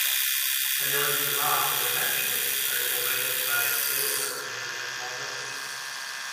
Anil and Sarath eventually are able to identify Sailor in a small village.